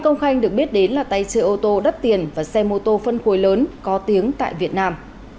nghĩa là tay chơi ô tô đắt tiền và xe mô tô phân khối lớn có tiếng tại việt nam